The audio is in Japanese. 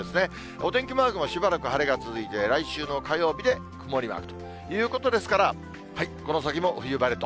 お天気マークもしばらく晴れが続いて、来週の火曜日で曇りマークということですから、この先も冬晴れと。